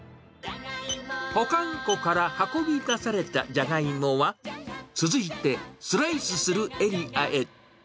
保管庫から運び出されたジャガイモは、続いて、スライスするエリアへ。